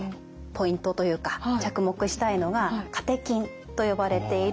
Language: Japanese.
ポイントというか着目したいのがカテキンと呼ばれている栄養素です。